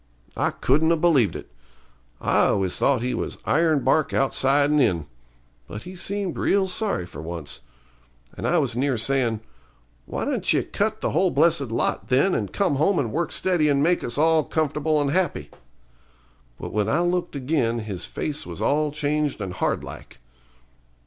I couldn't 'a believed it. I always thought he was ironbark outside and in. But he seemed real sorry for once. And I was near sayin', 'Why don't ye cut the whole blessed lot, then, and come home and work steady and make us all comfortable and happy?' But when I looked again his face was all changed and hard like.